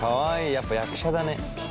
やっぱ役者だね。